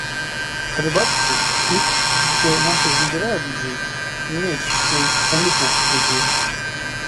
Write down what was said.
Але бачыце, тых, хто нашых забірае людзей, не менш, чым саміх нашых людзей.